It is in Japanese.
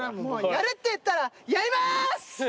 やるって言ったらやります！